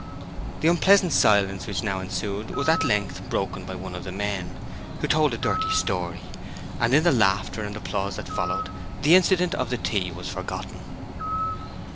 The unpleasant silence which now ensued was at length broken by one of the men, who told a dirty story, and in the laughter and applause that followed, the incident of the tea was forgotten.